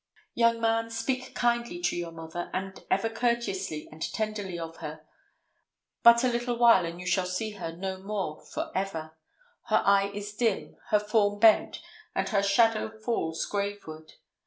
Young man, speak kindly to your mother, and ever courteously and tenderly of her. But a little while and you shall see her no more forever. Her eye is dim, her form bent, and her shadow falls grave ward.